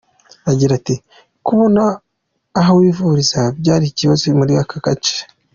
Agira ati “Kubona aho wivuriza byari ikibazo muri aka gace.